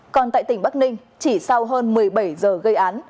còn tại tỉnh bắc ninh chỉ sau hơn một mươi bảy giờ gây án